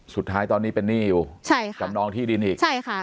สุดท้ายตอนนี้เป็นหนี้อยู่ใช่ค่ะจำนองที่ดินอีกใช่ค่ะ